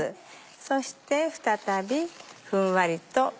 そして再びふんわりと。